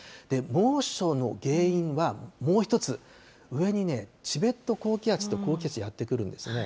猛暑の原因は、もう１つ、上にね、チベット高気圧という高気圧、やって来るんですね。